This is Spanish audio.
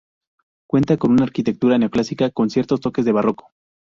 Cuenta con una arquitectura neoclásica con ciertos toques de barroco.